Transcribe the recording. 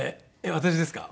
私ですか？